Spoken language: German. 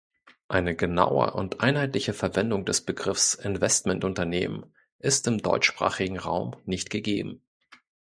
Eine genaue und einheitliche Verwendung des Begriffs "Investmentunternehmen" ist im deutschsprachigen Raum nicht gegeben.